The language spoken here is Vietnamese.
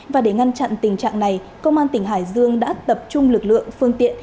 và để ngăn chặn tình trạng này công an tỉnh hải dương đã tập trung lực lượng phương tiện